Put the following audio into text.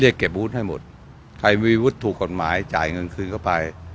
เก็บวุฒิให้หมดใครมีวุฒิถูกกฎหมายจ่ายเงินคืนเข้าไป